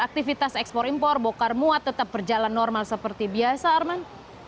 aktivitas ekspor impor bokar muat tetap berjalan normal seperti biasa arman